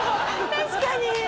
確かに！